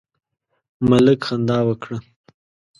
ملک خندا وکړه.